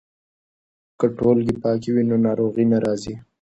که ټولګې پاکه وي نو ناروغي نه راځي.